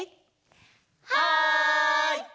はい！